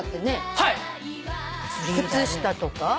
靴下とか？